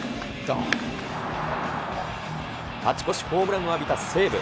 勝ち越しホームランを浴びた西武。